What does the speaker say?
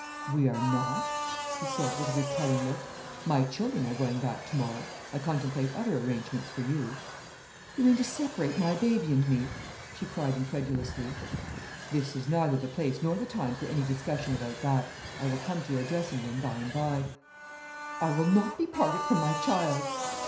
"We are not," he said, with a repelling look. "My children are going back to morrow. I contemplate other arrangements for you." "You mean to separate my baby and me?" she cried incredulously. "This is neither the place nor the time for any discussion about that. I will come to your dressing room by and by." "I will not be parted from my child!"